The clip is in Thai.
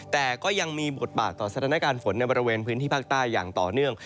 แต่ก็ยังมีบทบาทต่อสถานการณ์ฝนในบริเวณพื้นที่ภาคใต้อย่างต่อเนื่อง